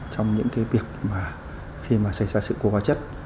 trong những việc khi xảy ra sự cố hóa chất